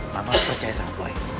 mama percaya sama gue